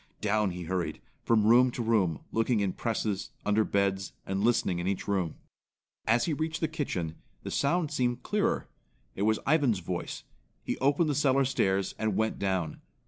Down he hurried, from room to room, looking in presses, under beds, and listening in each room. As he reached the kitchen, the sound seemed clearer. It was Ivan's voice. He opened the cellar stairs and went down.